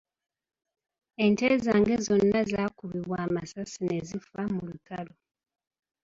Ente zange zonna zaakubibwa amasasi ne zifa mu lutalo .